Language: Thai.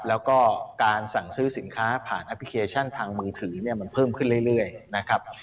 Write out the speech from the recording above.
แล้วก็การสั่งซื้อสินค้าผ่านแอปพลิเคชันทางมือถือเนี่ยมันเพิ่มขึ้นเรื่อยนะครับ